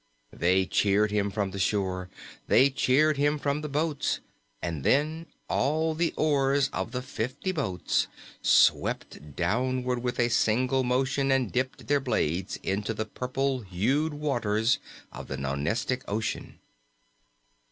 They cheered him from the shore; they cheered him from the boats; and then all the oars of the fifty boats swept downward with a single motion and dipped their blades into the purple hued waters of the Nonestic Ocean.